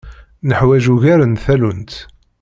Neḥwaǧ ugar n tallunt.